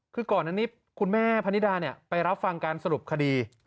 คือก่อนอันนี้คุณแม่พนิดาไปรับฟังการสรุปคดี